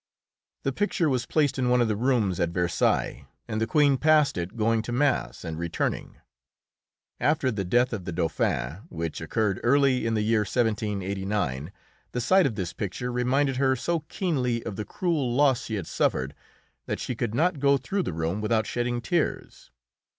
The picture was placed in one of the rooms at Versailles, and the Queen passed it going to mass and returning. After the death of the Dauphin, which occurred early in the year 1789, the sight of this picture reminded her so keenly of the cruel loss she had suffered that she could not go through the room without shedding tears.